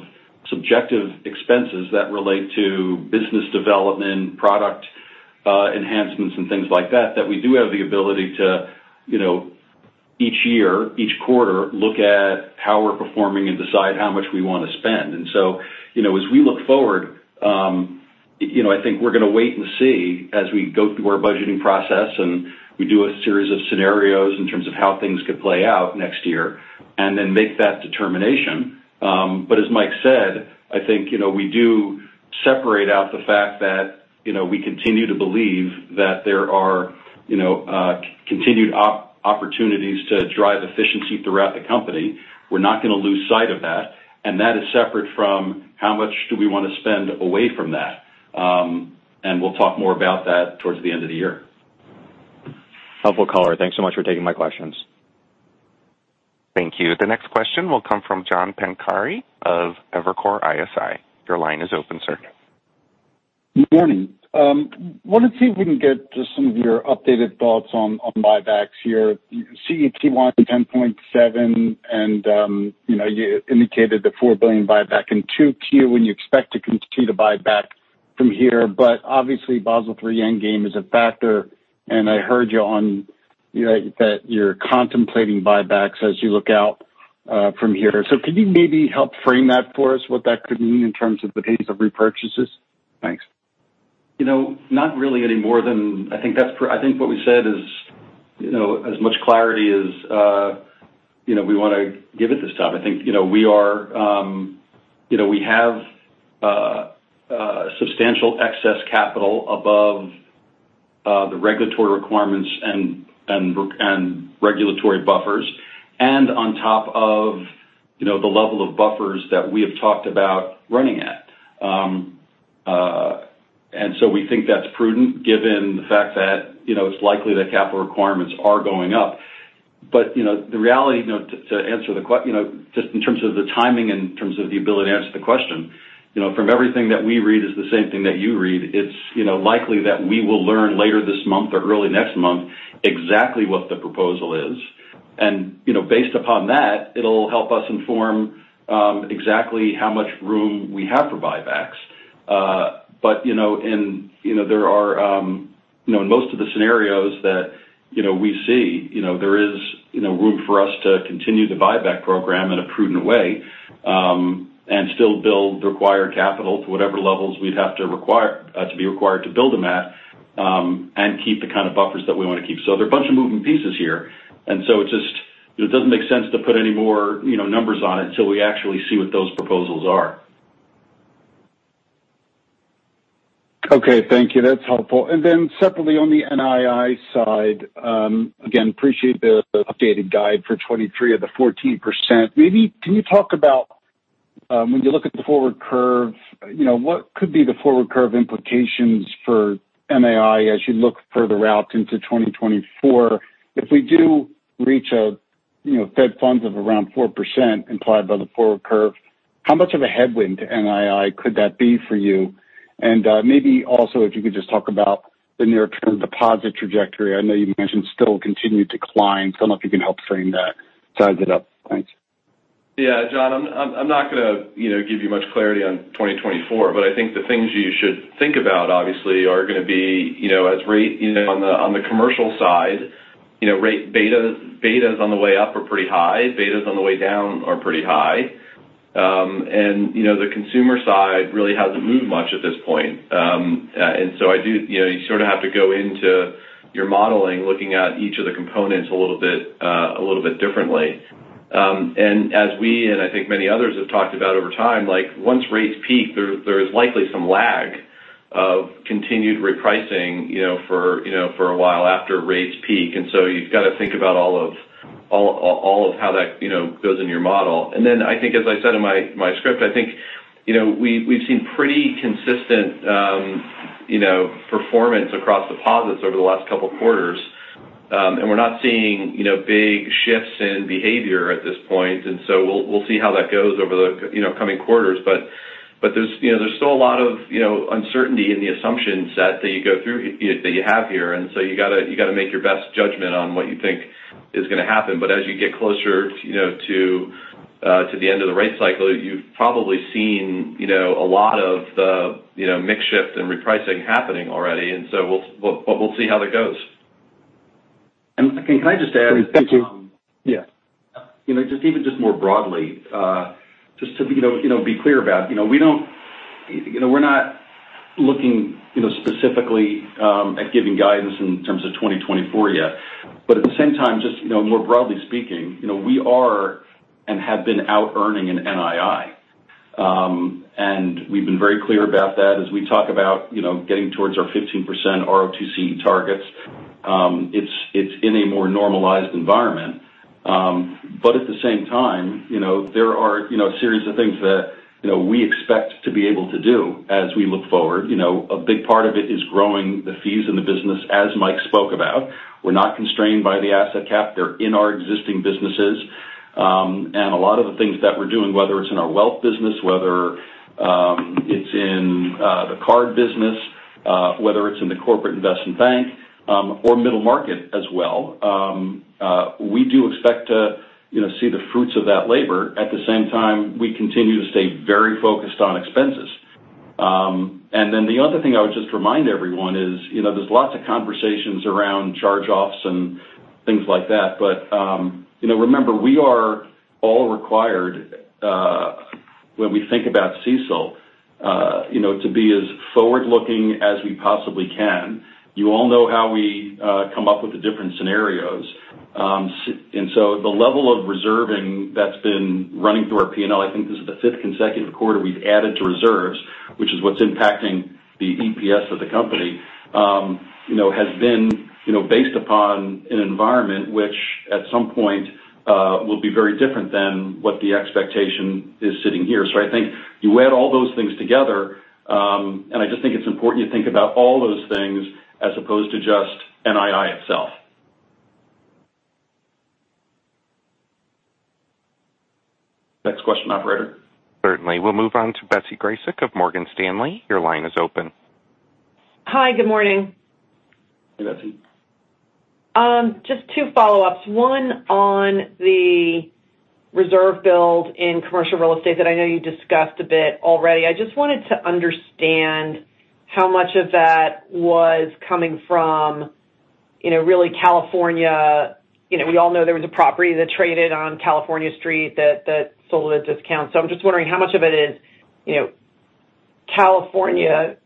subjective expenses that relate to business development, product, enhancements and things like that we do have the ability to, you know, each year, each quarter, look at how we're performing and decide how much we want to spend. As we look forward, you know, I think we're going to wait and see as we go through our budgeting process, and we do a series of scenarios in terms of how things could play out next year and then make that determination. As Mike said, I think, you know, we do separate out the fact that, you know, we continue to believe that there are, you know, opportunities to drive efficiency throughout the company. We're not going to lose sight of that. That is separate from how much do we want to spend away from that? We'll talk more about that towards the end of the year. Helpful, caller. Thanks so much for taking my questions. Thank you. The next question will come from John Pancari of Evercore ISI. Your line is open, sir. Good morning. Wanted to see if we can get just some of your updated thoughts on buybacks here. You see Q1 $10.7, you know, you indicated the $4 billion buyback in Q2 when you expect to continue to buy back from here. Obviously, Basel III endgame is a factor, and I heard you on, you know, that you're contemplating buybacks as you look out from here. Could you maybe help frame that for us, what that could mean in terms of the pace of repurchases? Thanks. You know, not really any more than, I think what we said is, you know, as much clarity as, you know, we want to give it this time. I think, you know, we are, you know, we have substantial excess capital above the regulatory requirements and regulatory buffers, and on top of, you know, the level of buffers that we have talked about running at. We think that's prudent given the fact that, you know, it's likely that capital requirements are going up. You know, the reality, you know, to answer the question, you know, just in terms of the timing, in terms of the ability to answer the question, you know, from everything that we read is the same thing that you read, it's, you know, likely that we will learn later this month or early next month exactly what the proposal is. You know, based upon that, it'll help us inform exactly how much room we have for buybacks. You know, in, you know, there are, you know, in most of the scenarios that, you know, we see, you know, there is, you know, room for us to continue the buyback program in a prudent way, and still build the required capital to whatever levels we'd have to require to be required to build them at, and keep the kind of buffers that we want to keep. There are a bunch of moving pieces here, it just, it doesn't make sense to put any more, you know, numbers on it until we actually see what those proposals are. Okay. Thank you. That's helpful. Separately, on the NII side, again, appreciate the updated guide for 2023 at the 14%. Maybe can you talk about, when you look at the forward curve, you know, what could be the forward curve implications for NII as you look further out into 2024? If we do reach a, you know, Fed funds of around 4% implied by the forward curve, how much of a headwind to NII could that be for you? Maybe also if you could just talk about the near-term deposit trajectory. I know you mentioned still continued decline. I don't know if you can help frame that, size it up. Thanks. Yeah, John, I'm not going to, you know, give you much clarity on 2024, but I think the things you should think about, obviously, are going to be, you know, as rate, you know, on the, on the commercial side, you know, rate betas on the way up are pretty high. Betas on the way down are pretty high. You know, the consumer side really hasn't moved much at this point. You know, you sort of have to go into your modeling, looking at each of the components a little bit, a little bit differently. As we, and I think many others have talked about over time, like, once rates peak, there is likely some lag of continued repricing, you know, for a while after rates peak. You've got to think about all of how that, you know, goes into your model. Then I think, as I said in my script, I think, you know, we've seen pretty consistent, you know, performance across deposits over the last couple quarters. We're not seeing, you know, big shifts in behavior at this point. So we'll see how that goes over the, you know, coming quarters. There's, you know, there's still a lot of, you know, uncertainty in the assumption set that you go through, that you have here, so you gotta make your best judgment on what you think is going to happen. As you get closer, you know, to the end of the rate cycle, you've probably seen, you know, a lot of the, you know, mix shift and repricing happening already, we'll, but we'll see how that goes. Can I just add? Thank you. Yeah. You know, just even just more broadly, just to, you know, you know, be clear about, you know, we don't, you know, we're not looking, you know, specifically, at giving guidance in terms of 2024 yet. At the same time, just, you know, more broadly speaking, you know, we are and have been out earning an NII. We've been very clear about that as we talk about, you know, getting towards our 15% ROTCE targets. It's, it's in a more normalized environment. At the same time, you know, there are, you know, a series of things that, you know, we expect to be able to do as we look forward. You know, a big part of it is growing the fees in the business, as Mike spoke about. We're not constrained by the asset cap. They're in our existing businesses. A lot of the things that we're doing, whether it's in our Wealth business, whether it's in the Card business, whether it's in the Corporate Investment Bank, or Middle Market as well, we do expect to, you know, see the fruits of that labor. At the same time, we continue to stay very focused on expenses. The other thing I would just remind everyone is, you know, there's lots of conversations around charge-offs and things like that. Remember, we are all required, when we think about CECL, you know, to be as forward-looking as we possibly can. You all know how we come up with the different scenarios. The level of reserving that's been running through our P&L, I think this is the fifth consecutive quarter we've added to reserves, which is what's impacting the EPS of the company, you know, has been, you know, based upon an environment which, at some point, will be very different than what the expectation is sitting here. I think you add all those things together, and I just think it's important you think about all those things as opposed to just NII itself. Next question, operator. Certainly. We'll move on to Betsy Graseck of Morgan Stanley. Your line is open. Hi, good morning. Hey, Betsy. Just two follow-ups. One, on the reserve build in commercial real estate that I know you discussed a bit already. I just wanted to understand how much of that was coming from, really California. We all know there was a property that traded on California Street that sold at a discount. I'm just wondering how much of it is, California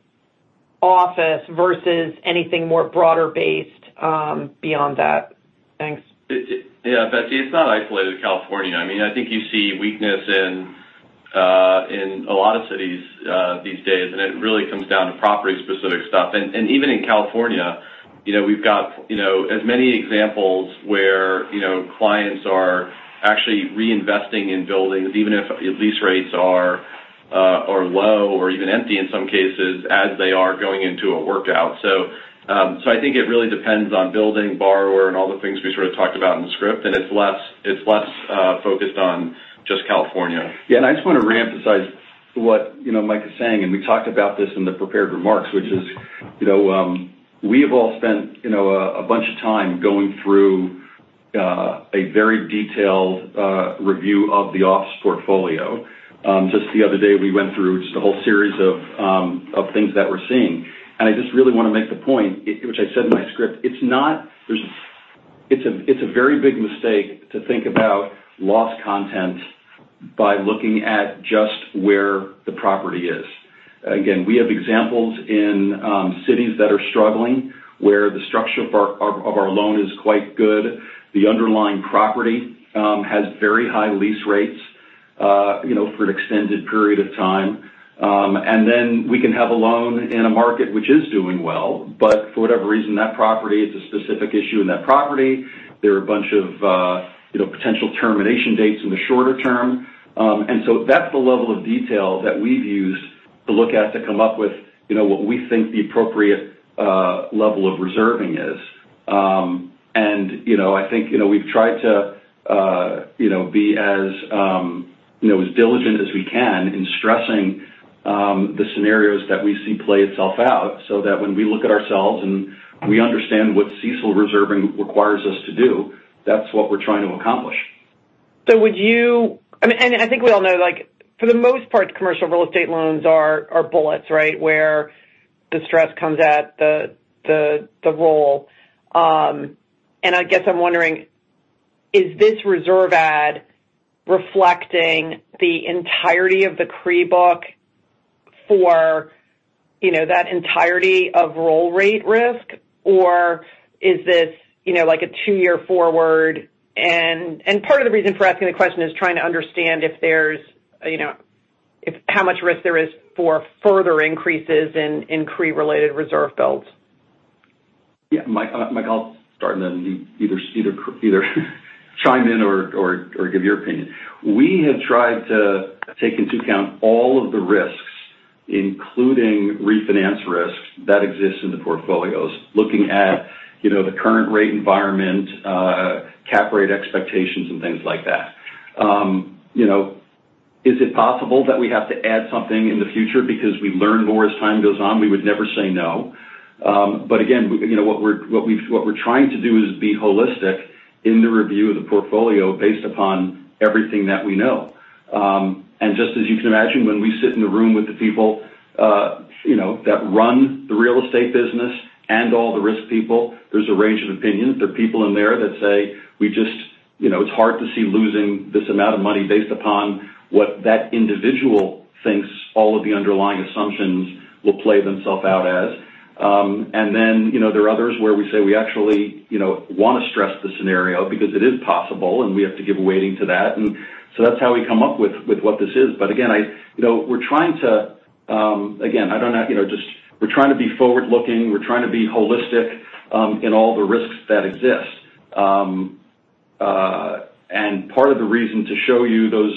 office versus anything more broader based, beyond that? Thanks. Yeah, Betsy, it's not isolated to California. I mean, I think you see weakness in a lot of cities these days, and it really comes down to property-specific stuff. And even in California, you know, we've got, you know, as many examples where, you know, clients are actually reinvesting in buildings, even if lease rates are low or even empty in some cases, as they are going into a workout. I think it really depends on building, borrower, and all the things we sort of talked about in the script, and it's less focused on just California. Yeah, I just want to reemphasize what, you know, Mike is saying, and we talked about this in the prepared remarks, which is, you know, we have all spent, you know, a bunch of time going through a very detailed review of the office portfolio. Just the other day, we went through just a whole series of things that we're seeing. I just really want to make the point, which I said in my script, it's not it's a very big mistake to think about loss content by looking at just where the property is. Again, we have examples in cities that are struggling, where the structure of our, of our loan is quite good. The underlying property has very high lease rates, you know, for an extended period of time. Then we can have a loan in a market which is doing well, but for whatever reason, that property, it's a specific issue in that property. There are a bunch of, you know, potential termination dates in the shorter term. So that's the level of detail that we've used to look at, to come up with, you know, what we think the appropriate level of reserving is. You know, I think, you know, we've tried to, you know, be as, you know, as diligent as we can in stressing the scenarios that we see play itself out, so that when we look at ourselves and we understand what CECL reserving requires us to do, that's what we're trying to accomplish. Would you... I mean, and I think we all know, like, for the most part, commercial real estate loans are bullets, right? Where the stress comes at the roll. I guess I'm wondering, is this reserve ad reflecting the entirety of the CRE book for, you know, that entirety of roll rate risk? Or is this, you know, like a two-year forward? Part of the reason for asking the question is trying to understand if there's, you know, if, how much risk there is for further increases in CRE-related reserve builds. Yeah, Mike, I'll start, and then you either chime in or give your opinion. We have tried to take into account all of the risks, including refinance risks that exist in the portfolios, looking at, you know, the current rate environment, cap rate expectations, and things like that. You know, is it possible that we have to add something in the future because we learn more as time goes on? We would never say no. Again, you know, what we're trying to do is be holistic in the review of the portfolio based upon everything that we know. Just as you can imagine, when we sit in the room with the people, you know, that run the real estate business and all the risk people, there's a range of opinions. There are people in there that say, "We just, you know, it's hard to see losing this amount of money" based upon what that individual thinks all of the underlying assumptions will play themselves out as. Then, you know, there are others where we say, we actually, you know, want to stress the scenario because it is possible, and we have to give a weighting to that. That's how we come up with what this is. Again, I, you know, we're trying to, Again, I don't know, you know, just we're trying to be forward-looking. We're trying to be holistic, in all the risks that exist. Part of the reason to show you those,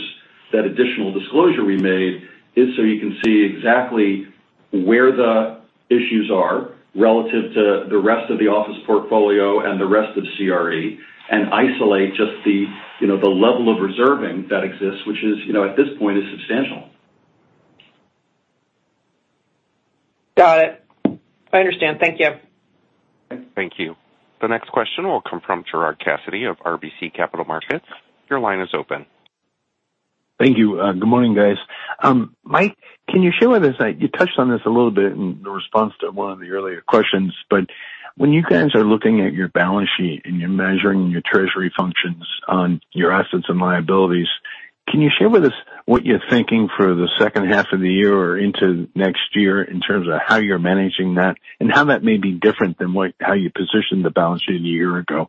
that additional disclosure we made is so you can see exactly where the issues are relative to the rest of the office portfolio and the rest of CRE, and isolate just the, you know, the level of reserving that exists, which is, you know, at this point, is substantial. Got it. I understand. Thank you. Thank you. The next question will come from Gerard Cassidy of RBC Capital Markets. Your line is open. Thank you. Good morning, guys. Mike, can you share with us, you touched on this a little bit in the response to one of the earlier questions, but when you guys are looking at your balance sheet and you're measuring your treasury functions on your assets and liabilities, can you share with us what you're thinking for the second half of the year or into next year in terms of how you're managing that, and how that may be different than how you positioned the balance sheet a year ago?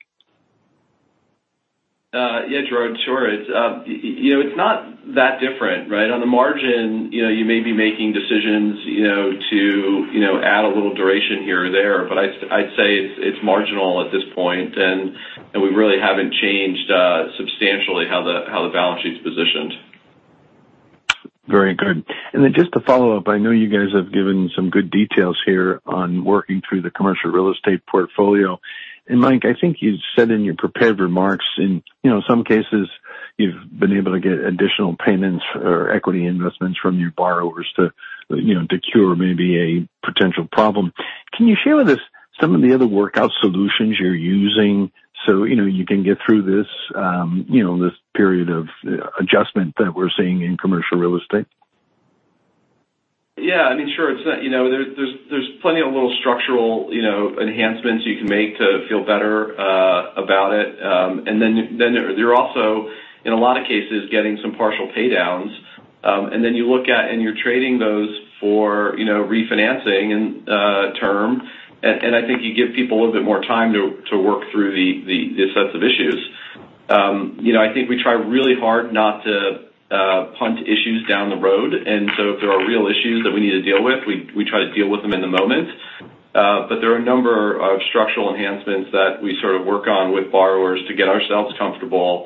Yeah, Gerard, sure. It's, you know, it's not that different, right? On the margin, you know, you may be making decisions, you know, to, you know, add a little duration here or there, but I'd say it's marginal at this point, and we really haven't changed, substantially how the balance sheet's positioned. Very good. Just to follow up, I know you guys have given some good details here on working through the Commercial Real Estate portfolio. Mike, I think you said in your prepared remarks, you know, in some cases you've been able to get additional payments or equity investments from your borrowers to, you know, to cure maybe a potential problem. Can you share with us some of the other workout solutions you're using so, you know, you can get through this, you know, this period of adjustment that we're seeing in Commercial Real Estate? Yeah, I mean, sure. It's not, you know. There's plenty of little structural, you know, enhancements you can make to feel better about it. Then you're also, in a lot of cases, getting some partial paydowns. Then you look at, and you're trading those for, you know, refinancing and term. I think you give people a little bit more time to work through the sets of issues. You know, I think we try really hard not to punt issues down the road. If there are real issues that we need to deal with, we try to deal with them in the moment. There are a number of structural enhancements that we sort of work on with borrowers to get ourselves comfortable,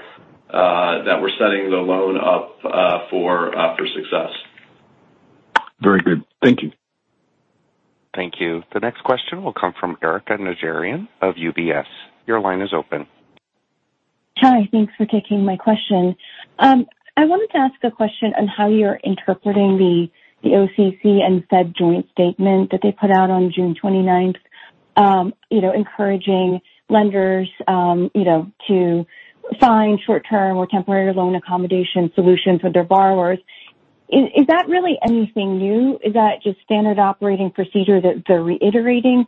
that we're setting the loan up, for success. Very good. Thank you. Thank you. The next question will come from Erika Najarian of UBS. Your line is open. Hi, thanks for taking my question. I wanted to ask a question on how you're interpreting the OCC and Fed joint statement that they put out on June 29th. You know, encouraging lenders, you know, to find short-term or temporary loan accommodation solutions for their borrowers. Is that really anything new? Is that just standard operating procedure that they're reiterating?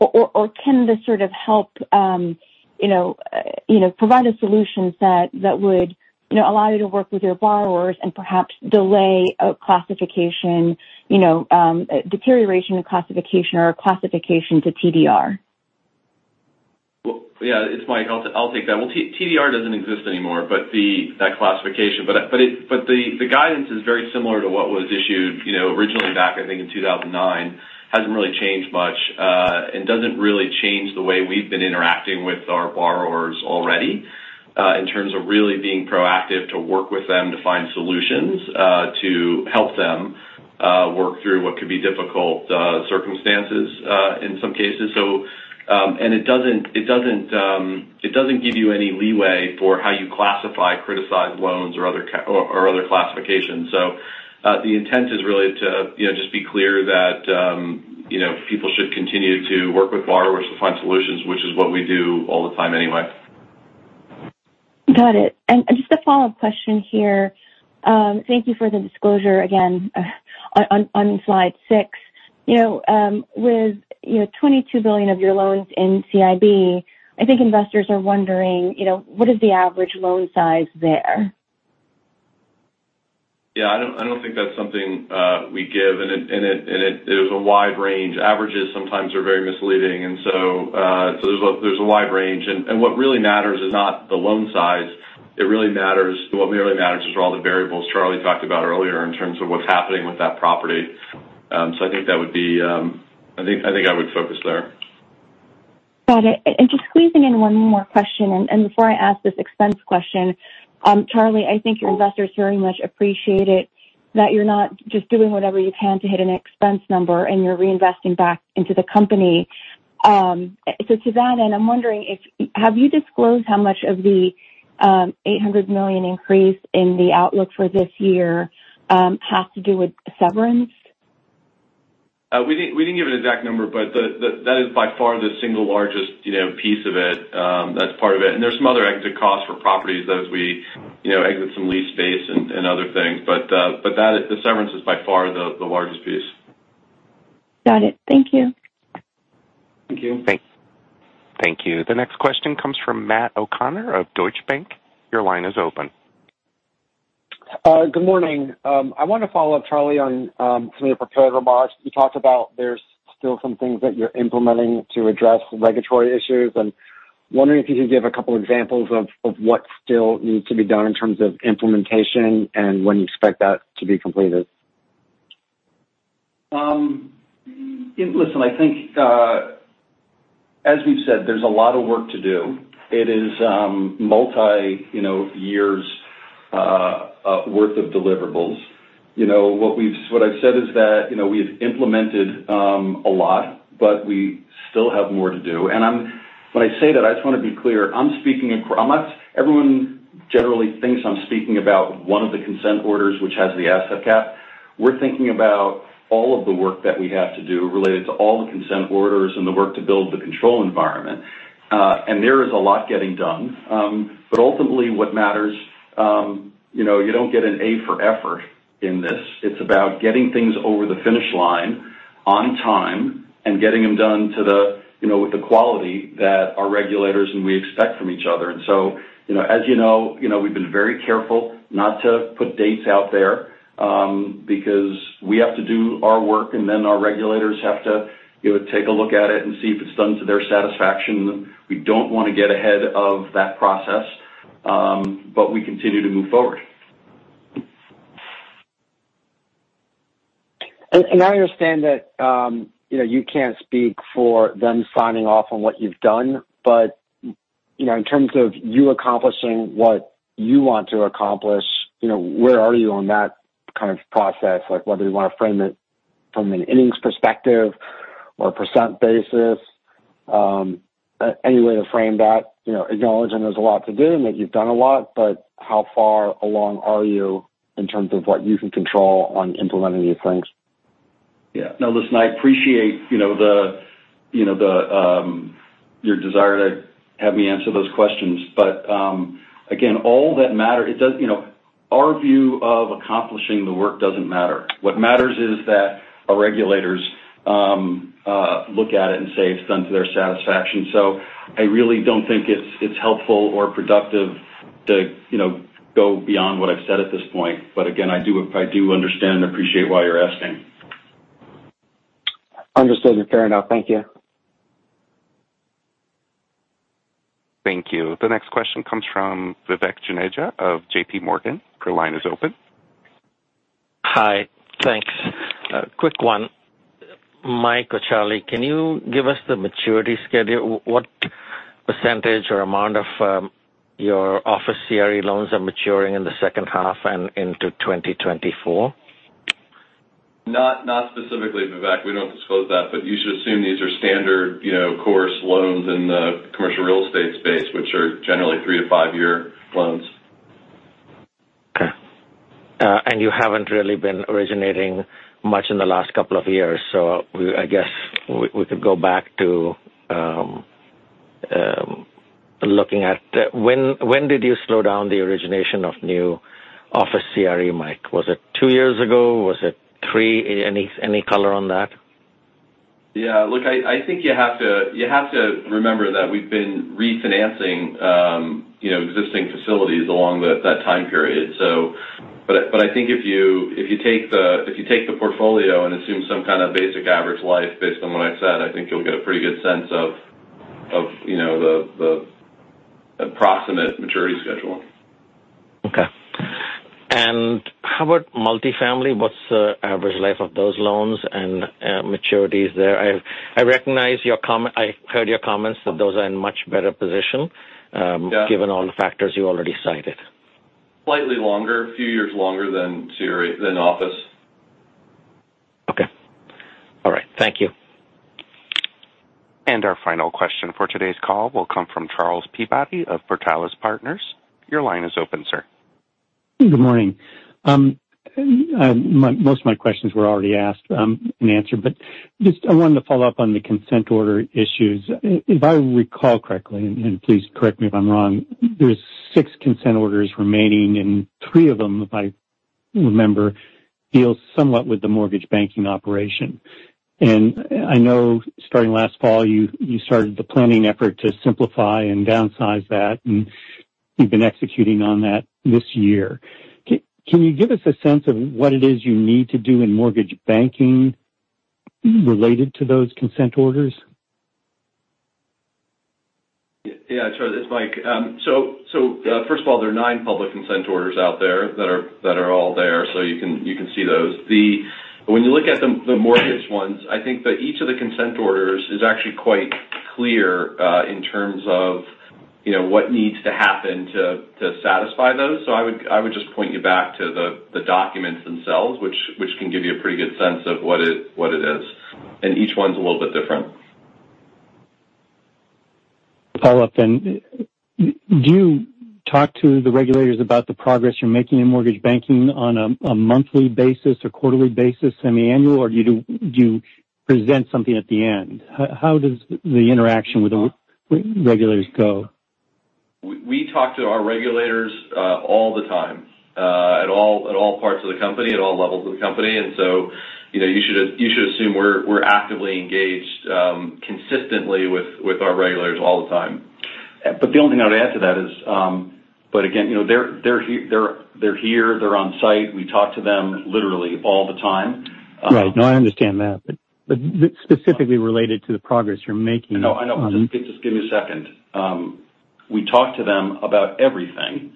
Or can this sort of help, you know, you know, provide a solution set that would, you know, allow you to work with your borrowers and perhaps delay a classification, you know, deterioration of classification or a classification to TDR? Well, yeah, it's Mike. I'll take that. Well, TDR doesn't exist anymore, but that classification. But the guidance is very similar to what was issued, you know, originally back, I think, in 2009. Hasn't really changed much, and doesn't really change the way we've been interacting with our borrowers already, in terms of really being proactive to work with them to find solutions, to help them work through what could be difficult circumstances in some cases. And it doesn't give you any leeway for how you classify criticized loans or other classifications. The intent is really to, you know, just be clear that, you know, people should continue to work with borrowers to find solutions, which is what we do all the time anyway. Got it. Just a follow-up question here. Thank you for the disclosure again, on slide six. You know, with, you know, $22 billion of your loans in CIB, I think investors are wondering, you know, what is the average loan size there? Yeah, I don't think that's something we give, and it is a wide range. Averages sometimes are very misleading, so there's a wide range. What really matters is not the loan size. What really matters is all the variables Charlie talked about earlier in terms of what's happening with that property. I think that would be. I think I would focus there. Got it. Just squeezing in one more question, and before I ask this expense question, Charlie, I think your investors very much appreciate it, that you're not just doing whatever you can to hit an expense number, and you're reinvesting back into the company. To that end, I'm wondering have you disclosed how much of the $800 million increase in the outlook for this year, has to do with severance? we didn't give an exact number, but the that is by far the single largest, you know, piece of it. That's part of it, and there's some other exit costs for properties as we, you know, exit some lease space and other things. That, the severance is by far the largest piece. Got it. Thank you. Thank you. Thank you. The next question comes from Matt O'Connor of Deutsche Bank. Your line is open. Good morning. I want to follow up, Charlie, on some of your prepared remarks. You talked about there's still some things that you're implementing to address regulatory issues. Wondering if you could give a couple examples of what still needs to be done in terms of implementation and when you expect that to be completed. Listen, I think, as we've said, there's a lot of work to do. It is multi, you know, years worth of deliverables. You know, what we've, what I've said is that, you know, we've implemented a lot, but we still have more to do. When I say that, I just want to be clear. Everyone generally thinks I'm speaking about one of the consent orders, which has the asset cap. We're thinking about all of the work that we have to do related to all the consent orders and the work to build the control environment. There is a lot getting done. Ultimately, what matters, you know, you don't get an A for effort in this. It's about getting things over the finish line on time and getting them done to the, you know, with the quality that our regulators and we expect from each other. You know, as you know, you know, we've been very careful not to put dates out there, because we have to do our work, and then our regulators have to, you know, take a look at it and see if it's done to their satisfaction. We don't want to get ahead of that process, we continue to move forward. I understand that, you know, you can't speak for them signing off on what you've done, but, you know, in terms of you accomplishing what you want to accomplish, you know, where are you on that kind of process? Like, whether you want to frame it from an innings perspective or a percent basis, any way to frame that, you know, acknowledging there's a lot to do and that you've done a lot, but how far along are you in terms of what you can control on implementing these things? Yeah. Now, listen, I appreciate, you know, the your desire to have me answer those questions. Again, all that matter You know, our view of accomplishing the work doesn't matter. What matters is that our regulators look at it and say it's done to their satisfaction. I really don't think it's helpful or productive to, you know, go beyond what I've said at this point. Again, I do understand and appreciate why you're asking. Understood and fair enough. Thank you. Thank you. The next question comes from Vivek Juneja of JPMorgan. Your line is open. Hi. Thanks. A quick one. Mike or Charlie, can you give us the maturity schedule? What percentage or amount of your office CRE loans are maturing in the second half and into 2024? Not specifically, Vivek, we don't disclose that, but you should assume these are standard, you know, course loans in the commercial real estate space, which are generally three to five year loans. Okay. You haven't really been originating much in the last couple of years, so I guess we could go back to looking at when did you slow down the origination of new office CRE, Mike? Was it two years ago? Was it 3? Any color on that? Yeah, look, I think you have to remember that we've been refinancing, you know, existing facilities along that time period. But I think if you take the portfolio and assume some kind of basic average life based on what I've said, I think you'll get a pretty good sense of, you know, the approximate maturity schedule. Okay. How about multifamily? What's the average life of those loans and maturities there? I recognize your comment. I heard your comments that those are in much better position. Yeah. Given all the factors you already cited. Slightly longer, a few years longer than CRE than office. Okay. All right. Thank you. Our final question for today's call will come from Charles Peabody of Portales Partners. Your line is open, sir. Good morning. Most of my questions were already asked and answered, Just I wanted to follow up on the consent order issues. If I recall correctly, and please correct me if I'm wrong, there's six consent orders remaining, and three of them, if I remember, deal somewhat with the mortgage banking operation. I know starting last fall, you started the planning effort to simplify and downsize that, and you've been executing on that this year. Can you give us a sense of what it is you need to do in mortgage banking related to those consent orders? Yeah, sure. It's Mike. First of all, there are nine public consent orders out there that are all there, you can see those. When you look at the mortgage ones, I think that each of the consent orders is actually quite clear, in terms of, you know, what needs to happen to satisfy those. I would just point you back to the documents themselves, which can give you a pretty good sense of what it is, and each one's a little bit different. Follow-up. Do you talk to the regulators about the progress you're making in mortgage banking on a monthly basis or quarterly basis, semiannual, or do you present something at the end? How does the interaction with the regulators go? We talk to our regulators, all the time, at all parts of the company, at all levels of the company. You know, you should assume we're actively engaged, consistently with our regulators all the time. The only thing I would add to that is, but again, you know, they're here, they're here, they're on site. We talk to them literally all the time. Right. No, I understand that, but specifically related to the progress you're making. I know. I know. Just give me a second. We talk to them about everything.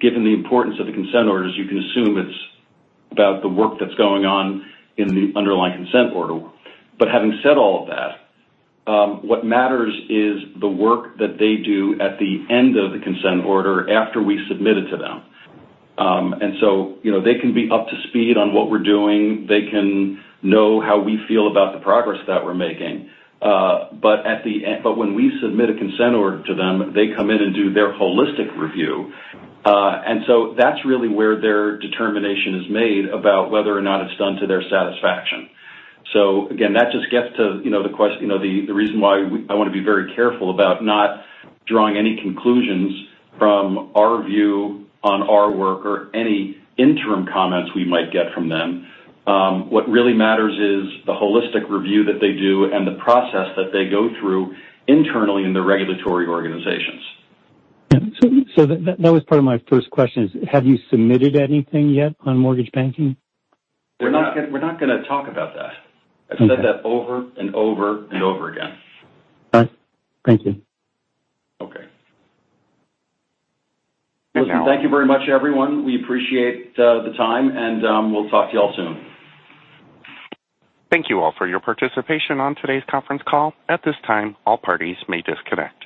Given the importance of the consent orders, you can assume it's about the work that's going on in the underlying consent order. Having said all of that, what matters is the work that they do at the end of the consent order after we submit it to them. You know, they can be up to speed on what we're doing. They can know how we feel about the progress that we're making, when we submit a consent order to them, they come in and do their holistic review. That's really where their determination is made about whether or not it's done to their satisfaction. Again, that just gets to, you know, the reason why I want to be very careful about not drawing any conclusions from our view on our work or any interim comments we might get from them. What really matters is the holistic review that they do and the process that they go through internally in the regulatory organizations. Yeah. That was part of my first question is, have you submitted anything yet on mortgage banking? We're not gonna talk about that. Okay. I've said that over and over and over again. All right. Thank you. Okay. Thank you. Listen, thank you very much, everyone. We appreciate the time. We'll talk to you all soon. Thank you all for your participation on today's conference call. At this time, all parties may disconnect.